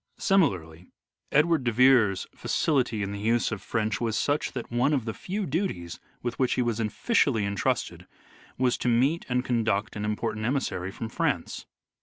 Similarly Edward de Vere's facility hi the use of French was such that one of the few duties with which he was officially entrusted was to meet and conduct an im portant emissary from France.